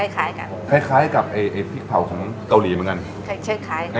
สวัสดีครับว่าคุณคิ้มุราษนะ